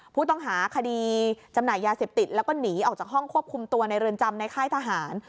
ผู้ต้องหาคดีจำหน่ายยาเสพติดแล้วก็หนีออกจากห้องควบคุมตัวในเรือนจำในค่ายทหาร